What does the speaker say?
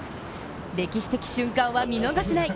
歴史的瞬間は見逃せない。